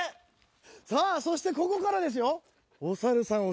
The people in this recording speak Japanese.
そして、ここからですよ。